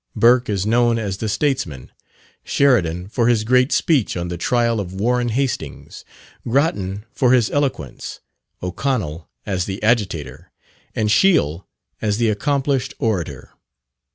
Burke is known as the statesman; Sheridan for his great speech on the trial of Warren Hastings; Grattan for his eloquence; O'Connell as the agitator; and Shiel as the accomplished orator.